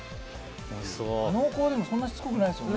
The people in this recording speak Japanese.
「濃厚でもそんなしつこくないですよね」